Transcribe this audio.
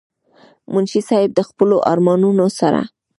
منشي صېب د خپلو ارمانونو سره